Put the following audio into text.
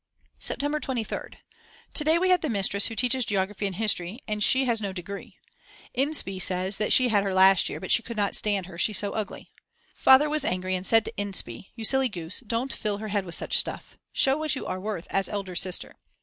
September 23rd. To day we had the mistress who teaches geography and history, she has no degree. Inspee says that she had her last year, but she could not stand her, she's so ugly. Father was angry and said to Inspee: You silly goose, don't fill her head with such stuff. Show what you are worth as elder sister.